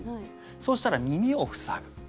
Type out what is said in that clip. そうしたら耳を塞ぐ。